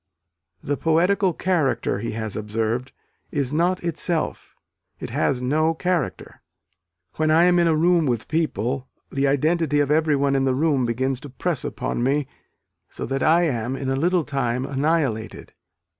"The poetical character," he has observed, "is not itself it has no character. When I am in a room with people, the identity of everyone in the room begins to press upon me so that I am in a little time annihilated."